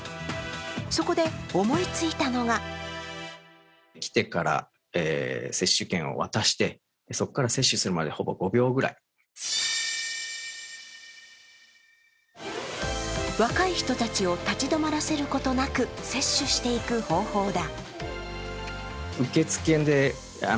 そこで思いついたのが若い人たちを立ち止まらせることなく接種していく方法だ。